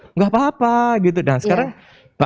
enggak apa apa gitu nah sekarang